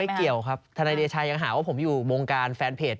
เกี่ยวครับทนายเดชายังหาว่าผมอยู่วงการแฟนเพจ